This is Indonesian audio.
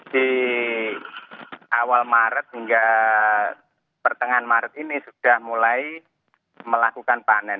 di awal maret hingga pertengahan maret ini sudah mulai melakukan panen